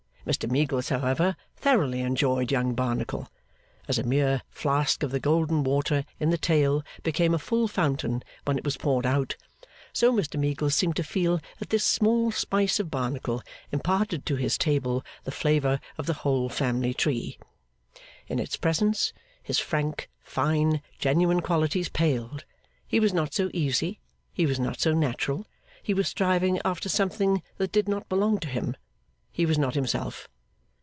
Mr Meagles, however, thoroughly enjoyed Young Barnacle. As a mere flask of the golden water in the tale became a full fountain when it was poured out, so Mr Meagles seemed to feel that this small spice of Barnacle imparted to his table the flavour of the whole family tree. In its presence, his frank, fine, genuine qualities paled; he was not so easy, he was not so natural, he was striving after something that did not belong to him, he was not himself.